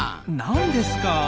何ですか？